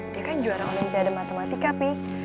dia kan juara omongin ada matematika pi